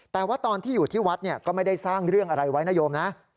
แต่ว่าตอนที่อยู่ที่วัดก็ไม่ได้สร้างเรื่องอะไรไว้นโยมนะ